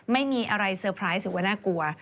ไม่มีอะไรเซอร์ไพรส์ถือว่าน่ากลัว